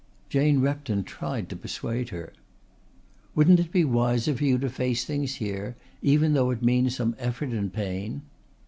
Jane Repton tried to persuade her. "Wouldn't it be wiser for you to face things here, even though it means some effort and pain?"